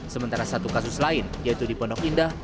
sementara satu kasus lain yaitu di pondok indah